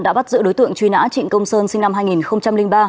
đã bắt giữ đối tượng truy nã trịnh công sơn sinh năm hai nghìn ba